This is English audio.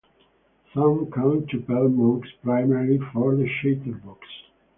Some come to PerlMonks primarily for the chatterbox.